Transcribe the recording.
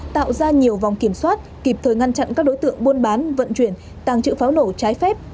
tạo ra nhiều vòng kiểm soát kịp thời ngăn chặn các đối tượng buôn bán vận chuyển tàng trữ pháo nổ trái phép